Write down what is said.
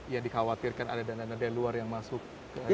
ya dikhawatirkan ada dana dana dari luar yang masuk ke azayitun